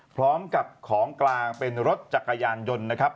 พร้อมกับของกลางเป็นรถจักรยานยนต์นะครับ